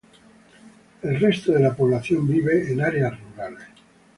El resto de la población vive en áreas rurales.